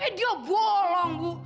eh dia bolong bu